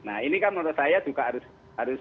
nah ini kan menurut saya juga harus